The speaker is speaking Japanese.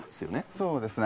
そうですね。